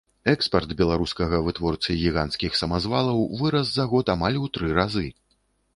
Экспарт беларускага вытворцы гіганцкіх самазвалаў вырас за год амаль у тры разы.